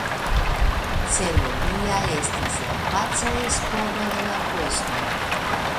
Celo lia estis la paca esploro de la kosmo.